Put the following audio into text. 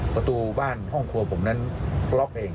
ประตูบ้านห้องครัวผมนั้นล็อกเอง